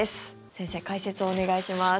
先生、解説をお願いします。